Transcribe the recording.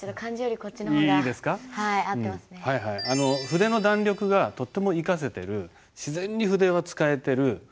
筆の弾力がとっても生かせてる自然に筆が使えてる。